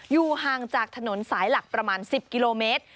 อยู่ห่างจากถนนสายหลักประมาณ๑๐กิโลเมตร